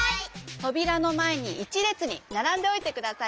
とびらのまえに１れつにならんでおいてください。